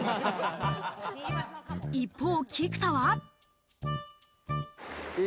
一方、菊田は。